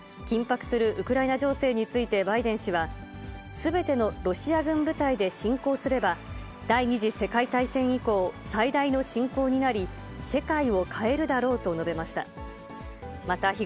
緊迫するウクライナ情勢についてバイデン氏は、すべてのロシア軍部隊で侵攻すれば、第２次世界大戦以降最大の侵攻になり、世界を変えるだろうと述べました。